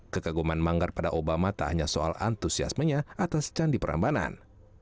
kekaguman manggar pada obama tak hanya soal antusiasmenya atas candi prambanan